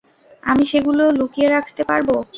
আমি সেগুলো লুকিয়ে রাখতে পারব।